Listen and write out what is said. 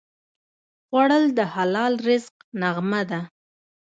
خوړل د حلال رزق نغمه ده